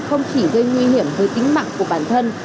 không chỉ gây nguy hiểm tới tính mạng của bản thân